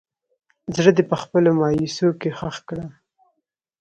زړه دې په خپلو مايوسو کښې ښخ کړه